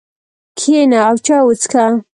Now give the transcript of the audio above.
کښېنه او چای وڅښه.